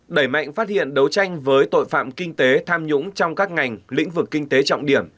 đẩy mạnh phát hiện đấu tranh với tội phạm kinh tế tham nhũng trong các ngành lĩnh vực kinh tế trọng điểm